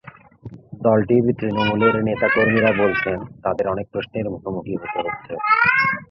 দলটির তৃণমূলের নেতাকর্মীরা বলছেন, তাদের অনেক প্রশ্নের মুখোমুখি হতে হচ্ছে।